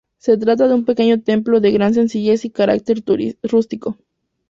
Se trata de un pequeño templo de gran sencillez y carácter rústico.